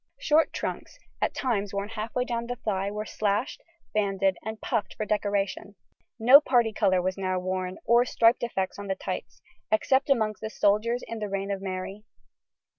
Short trunks at times worn half way down the thigh were slashed, banded, and puffed for decoration. No parti colour was now worn or striped effects on tights, except amongst the soldiers in the reign of Mary.